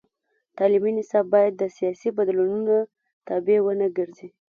تعلیمي نصاب باید د سیاسي بدلونونو تابع ونه ګرځي.